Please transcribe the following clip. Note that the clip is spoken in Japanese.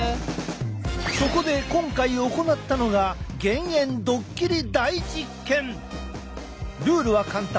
そこで今回行ったのがルールは簡単。